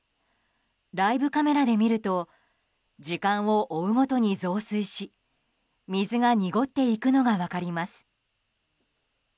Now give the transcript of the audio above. ライブカメラで見ると時間を追うごとに増水し水が濁っていくのが分かります。